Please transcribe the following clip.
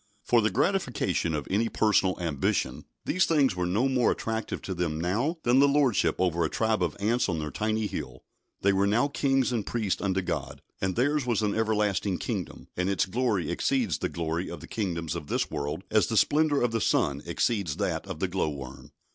For the gratification of any personal ambition these things were no more attractive to them now than the lordship over a tribe of ants on their tiny hill. They were now kings and priests unto God, and theirs was an everlasting kingdom, and its glory exceeds the glory of the kingdoms of this world as the splendour of the sun exceeds that of the glow worm.